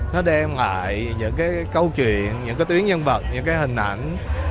nó đem lại những câu chuyện những tuyến nhân vật những hình ảnh